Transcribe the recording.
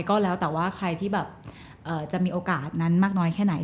ก็แล้วแต่ว่าใครที่แบบจะมีโอกาสนั้นมากน้อยแค่ไหน